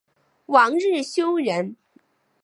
王日休人。